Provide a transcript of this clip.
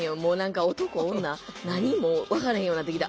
もう分からへんようなってきた。